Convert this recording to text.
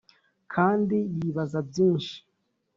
kandi yibaza byinshi.